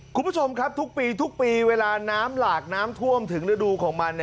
คุณผู้ชมครับทุกปีทุกปีเวลาน้ำหลากน้ำท่วมถึงฤดูของมัน